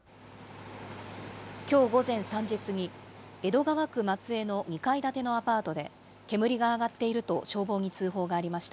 きょう午前３時過ぎ、江戸川区松江の２階建てのアパートで煙が上がっていると消防に通報がありました。